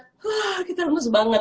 huuuhh kita lemes banget